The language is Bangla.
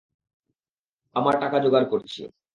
আমার টাকা যোগাড় করছি।